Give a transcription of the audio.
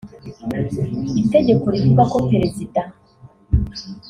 Itegeko rivuga ko Perezida